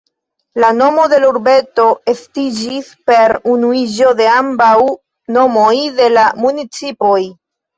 La nomo de la urbeto estiĝis per unuiĝo de ambaŭ nomoj de la municipoj.